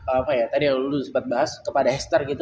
apa ya tadi lo sempat bahas kepada hester gitu